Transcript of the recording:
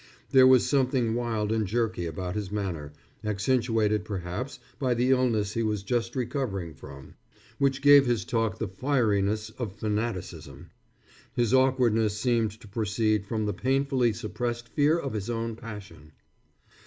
There was something wild and jerky about his manner, accentuated perhaps by the illness he was just recovering from, which gave his talk the fieriness of fanaticism. His awkwardness seemed to proceed from the painfully suppressed fear of his own passion.